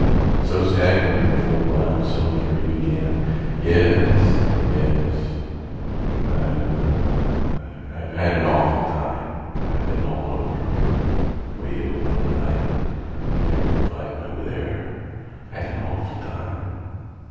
So, staggering before the loud soldier, he began: "Yes, yes. I've—I've had an awful time. I've been all over. Way over on th' right. Ter'ble fightin' over there. I had an awful time.